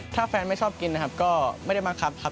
ถ้าแฟนไม่ชอบกินนะครับก็ไม่ได้บังคับครับ